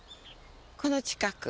この近く。